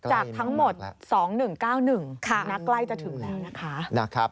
จากทั้งหมด๒๑๙๑นักไล่จะถึงแล้ว